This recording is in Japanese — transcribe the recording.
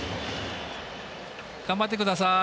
頑張ってください。